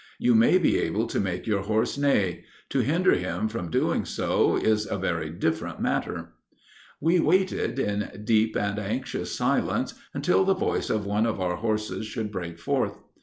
You may be able to make your horse neigh: to hinder him from doing so, is a very different matter.'" "We waited in deep and anxious silence until the voice of one of our horses should break forth.